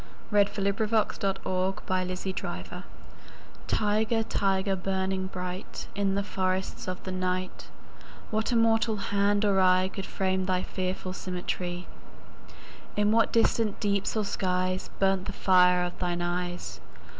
1757–1827 489. The Tiger TIGER, tiger, burning bright In the forests of the night, What immortal hand or eye Could frame thy fearful symmetry? In what distant deeps or skies 5 Burnt the fire of thine eyes?